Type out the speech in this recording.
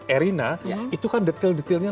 erina itu kan detil detilnya